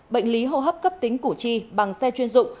bệnh lý hô hấp cấp tính củ chi bằng xe chuyên dụng